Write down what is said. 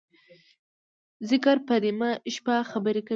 ذاکر په نیمه شپه خبری کوی